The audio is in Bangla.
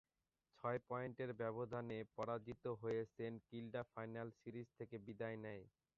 ছয় পয়েন্টের ব্যবধানে পরাজিত হয়ে সেন্ট কিল্ডা ফাইনাল সিরিজ থেকে বিদায় নেয়।